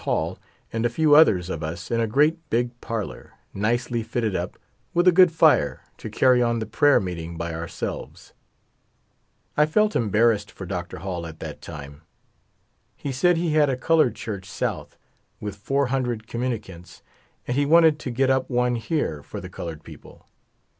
Hall, and a few others of us in a great big parlor, nicely fitted up, with a good fire, to carry on the pra3^er meeting by ourselves. I felt embarrassed for Dr. Hall at that time. He said he had a Colored Church South, with four hundred communicants, and he wanted to get up one here for the colored people.